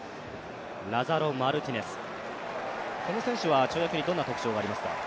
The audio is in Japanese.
ラザロ・マルティネス、この選手は跳躍にどんな特徴がありますか？